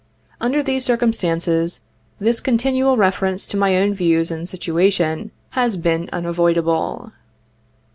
Under these circum stances, this continual reference to my own views and situa tion has been unavoidable.